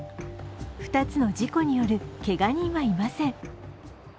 ２つの事故によるけが人はいません。